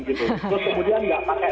terus kemudian nggak pakai